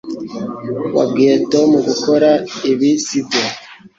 Wabwiye Tom gukora ibi sibyo